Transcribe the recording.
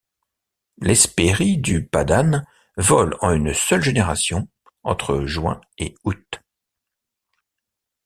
L'Hespérie du pas-d'âne vole en une seule génération entre juin et août.